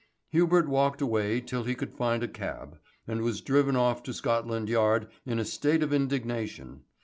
Hubert walked away till he could find a cab, and was driven off to Scotland Yard in a state of indignation.